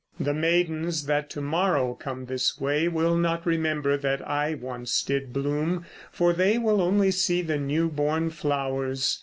The maidens that to morrow come this way Will not remember that I once did bloom, For they will only see the new born flowers.